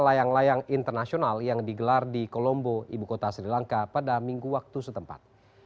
layang layang internasional yang digelar di kolombo ibu kota sri lanka pada minggu waktu setempat